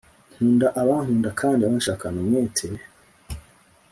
Nkunda abankunda Kandi abanshakana umwete